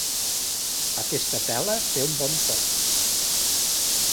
Aquesta tela té un bon toc.